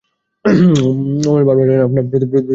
অন্যের ভাবনা জানলে আপনার প্রতিক্রিয়ায় পরিবর্তন আসতে পারে।